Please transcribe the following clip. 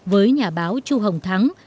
với nhà báo chu hồng thắng